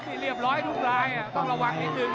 เงียบร้อยทุกลายต้องระวังนิดหนึ่ง